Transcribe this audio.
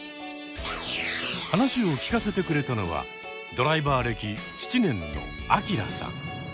話を聞かせてくれたのはドライバー歴７年のアキラさん。